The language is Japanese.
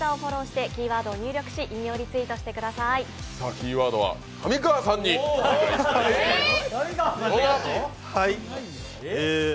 キーワードは上川さんにお願いしたいと思います。